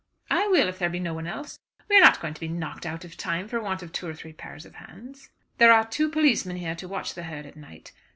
"I will if there be no one else. We are not going to be knocked out of time for want of two or three pairs of hands." "There are two policemen here to watch the herd at night.